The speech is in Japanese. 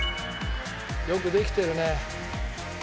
「よくできてるね」